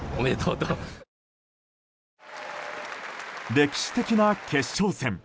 歴史的な決勝戦。